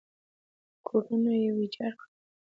کورونه یې ویجاړ کړل.